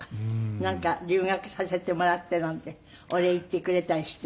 なんか留学させてもらっているのでお礼言ってくれたりして。